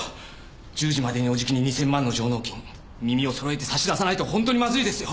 １０時までにおじきに２０００万の上納金耳を揃えて差し出さないとほんとにまずいですよ？